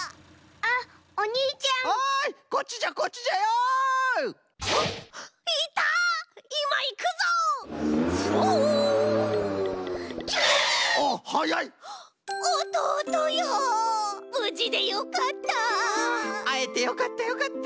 あああえてよかったよかった。